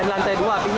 dari lantai dua apinya